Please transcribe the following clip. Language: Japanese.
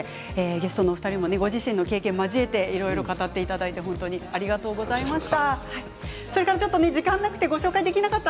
ゲストのお二人もご自身の経験を交えて語っていただきありがとうございました。